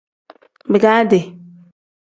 Bigaadi.